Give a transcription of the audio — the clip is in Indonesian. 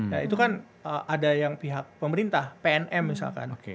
nah itu kan ada yang pihak pemerintah pnm misalkan